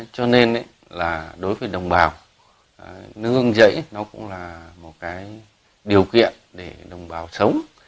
cho nên đối với đồng bào nương giẫy cũng là một điều kiện để đồng bào sống